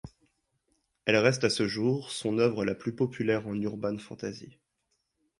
Elle reste, à ce jour, son œuvre la plus populaire en urban fantasy.